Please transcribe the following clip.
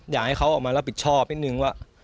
อยากให้เขาออกมารับผิดชอบนิดนึงว่า